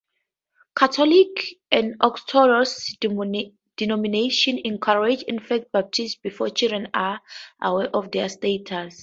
Catholics, and Orthodox denominations encourage infant baptism before children are aware of their status.